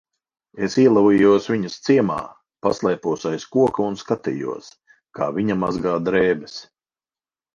Es ielavījos viņas ciemā, paslēpos aiz koka un skatījos, kā viņa mazgā drēbes.